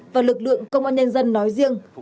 và lực lượng công an nhân dân nói riêng